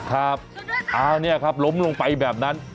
ครับเอาเนี่ยครับล้มลงไปแบบนั้น